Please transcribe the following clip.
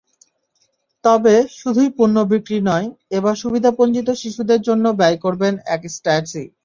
তবে, শুধুই পণ্য বিক্রি নয়, এবার সুবিধাবঞ্চিত শিশুদের জন্য ব্যয় করবে একস্ট্যাসি।